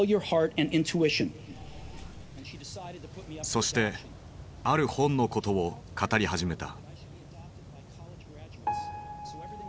そしてある本のことを語り始めた。